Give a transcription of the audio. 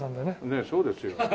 ねえそうですよ。